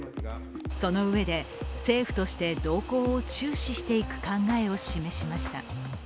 そのうえで政府として動向を注視していく考えを示しました。